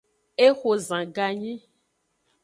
Exo zan ganyi.